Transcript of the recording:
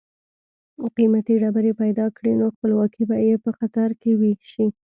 قیمتي ډبرې پیدا کړي نو خپلواکي به یې په خطر کې شي.